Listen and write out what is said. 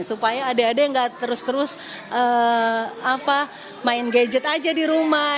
supaya adik adik nggak terus terus main gadget aja di rumah